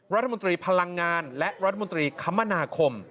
รัฐมนตรีพลังงานและรัฐมนตรีคมนาคม